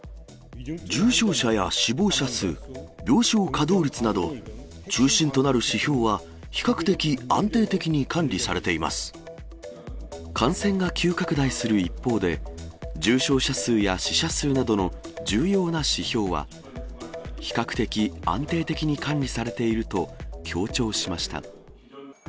重症者や死亡者数、病床稼働率など、中心となる指標は、感染が急拡大する一方で、重症者数や死者数などの重要な指標は、比較的安定的に管理されていると強調しました。